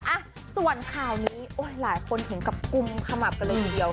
อ่ะส่วนข่าวนี้โอ้ยหลายคนเห็นกับกุมขมับกันเลยทีเดียว